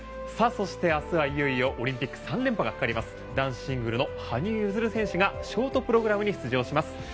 そして、明日はいよいよオリンピック３連覇がかかります男子シングルスの羽生結弦選手がショートプログラムに出場します。